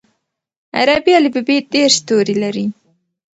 عربي الفبې دېرش توري لري.